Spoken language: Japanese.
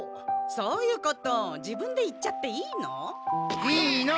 そういうこと自分で言っちゃっていいの？いいの！